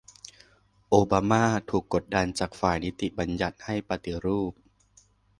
โอบามาถูกกดดันจากฝ่ายนิติบัญญัติให้ปฏิรูป